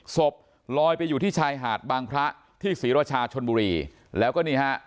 ศพลอยไปอยู่ที่ชายหาดบางพระที่ศรีราชาชนบุรีแล้วก็นี่ฮะ